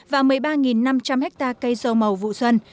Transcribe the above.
và một mươi ba năm trăm linh hectare cây dầu màu vụ xuân